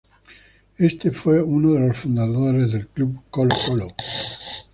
Éste fue uno de los fundadores del club Colo-Colo.